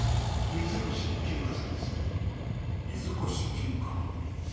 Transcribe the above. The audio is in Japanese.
水越絹香。